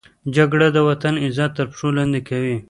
جګړه د وطن عزت تر پښو لاندې کوي